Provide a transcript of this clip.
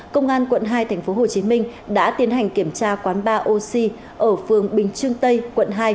công an quận hai tp hcm đã tiến hành kiểm tra quán ba oxy ở phường bình trương tây quận hai